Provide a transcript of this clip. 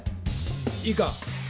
⁉いいか。